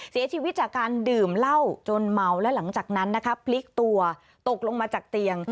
เสียชีวิตจากการดื่มเหล้าจนเมาและหลังจากนั้นนะคะพลิกตัวตกลงมาจากเตียง